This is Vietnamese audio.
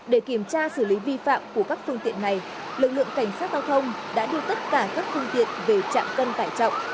để kiểm tra xử lý vi phạm của các phương tiện này lực lượng cảnh sát giao thông đã đưa tất cả các phương tiện về trạm cân tải trọng